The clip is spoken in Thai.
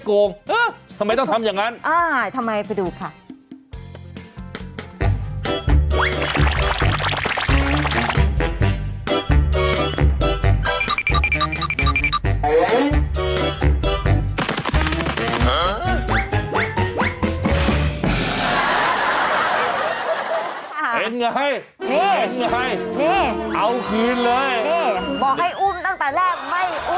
ปลอบให้อุ้มตั้งแต่แรกไม่อุ้ม